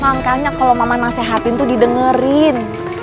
makanya kalau mama nasihatin tuh didengerin